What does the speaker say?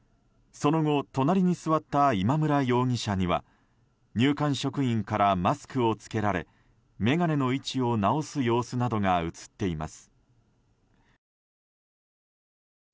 その後隣に座った今村容疑者には入管職員からマスクを着けられ眼鏡の位置を直す様子などが映っています。